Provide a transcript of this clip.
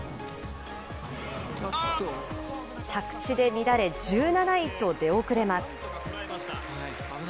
着地で乱れ、１７位と出遅れます。